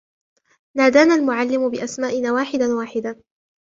نادانا المعلم بأسمائنا واحدا واحدا.